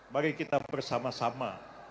bagi kita bersama sama